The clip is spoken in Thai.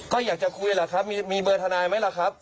ก็อยากจะคุยแหละครับมีเบอร์ทนายไหมล่ะครับ